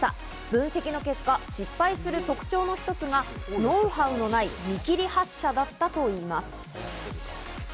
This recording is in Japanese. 分析の結果、失敗する特徴の一つがノウハウのない見切り発車だったといいます。